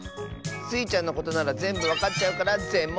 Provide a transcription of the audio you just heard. スイちゃんのことならぜんぶわかっちゃうからぜん